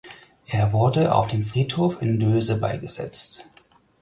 Er wurde auf dem Friedhof in Döse beigesetzt.